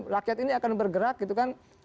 lakiat ini akan bergerak